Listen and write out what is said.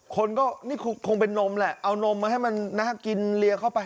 คนก็นี่คงเป็นนมแหละเอานมมาให้มันน่ากินเลียเข้าไป